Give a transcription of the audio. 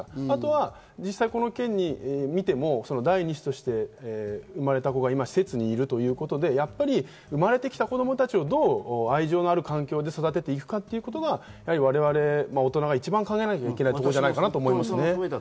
あとは実際、この件を見ても第２子として生まれた子が今施設にいるということで、生まれてきた子供たちをどう愛情のある環境で育てていくかということが我々、大人が一番考えていかなきゃいけないことかなと思いますね。